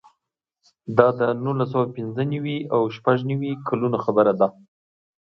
دا د نولس سوه پنځه نوې او شپږ نوې کلونو خبره ده.